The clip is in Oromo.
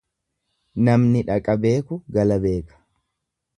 Namni dhaqa beeku gala beeka.